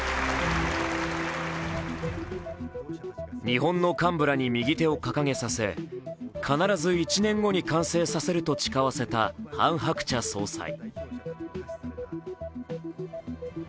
日本の幹部らに右手を掲げさせ、必ず１年後に完成させると誓わせたハン・ハクチャ総裁。